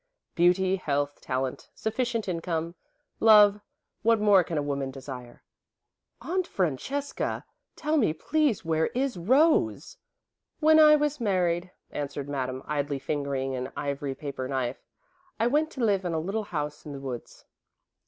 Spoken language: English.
Beauty, health, talent, sufficient income, love what more can a woman desire?" "Aunt Francesca! Tell me, please. Where is Rose?" "When I was married," answered Madame, idly fingering an ivory paper knife, "I went to live in a little house in the woods."